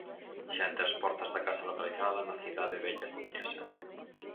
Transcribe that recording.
Xente ás portas da casa localizada na Cidade Vella coruñesa.